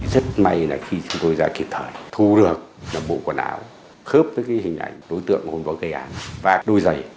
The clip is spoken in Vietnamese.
rất may là khi chúng tôi ra kiểm tra thu được là bộ quần áo khớp với cái hình ảnh đối tượng hôn võ gây án và đôi giày